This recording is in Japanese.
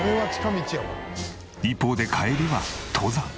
一方で帰りは登山。